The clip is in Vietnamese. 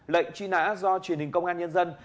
lệnh truy nã do truyền hình công an nhân dân